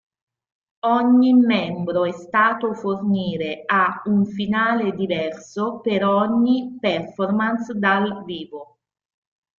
Ogni membro è stato fornire a un finale diverso per ogni performance dal vivo.